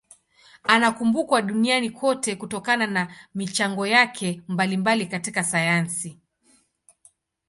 Anakumbukwa duniani kote kutokana na michango yake mbalimbali katika sayansi.